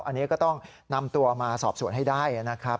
อันนี้ก็ต้องนำตัวมาสอบสวนให้ได้นะครับ